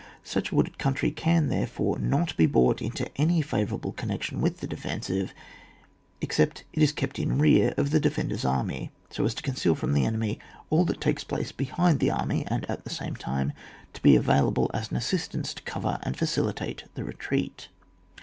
Such a wooded country can therefore not be brought into any favourable con nection with the defensive except it is kept in rear of the defender's army, so as to conceal from the enemy all that takes place behind that army, and at the same time to be available as an assistance to cover and facilitate the retreat.